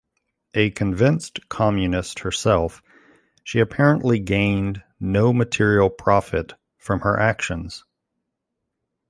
A convinced communist herself, she apparently gained no material profit from her actions.